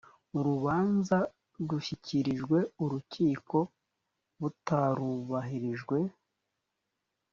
urubanza rushyikirijwe urukiko butarubahirijwe